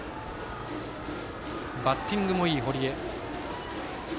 バッティングもいい堀江。